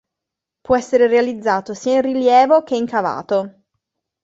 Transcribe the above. Può essere realizzato sia in rilievo che incavato.